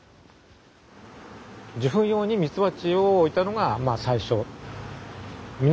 受粉用にミツバチを置いたのが最初。